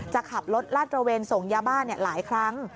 จะขับรถลาดตระเวนส่งยาบ้าหลายครั้ง